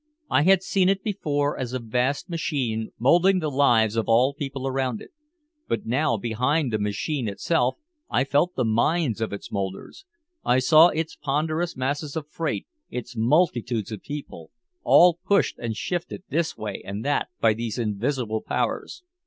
I had seen it before as a vast machine molding the lives of all people around it. But now behind the machine itself I felt the minds of its molders. I saw its ponderous masses of freight, its multitudes of people, all pushed and shifted this way and that by these invisible powers.